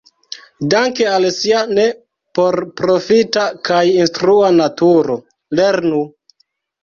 Danke al sia ne-porprofita kaj instrua naturo, "lernu!